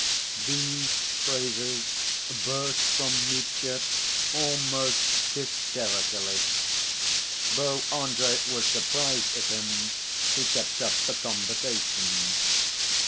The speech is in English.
These phrases burst from Mitya almost hysterically. Though Andrey was surprised at him, he kept up the conversation.